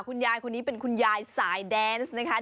คุณยายคนนี้เป็นคุณยายสายแดนส์นะคะ